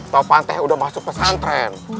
topan teh udah masuk pesantren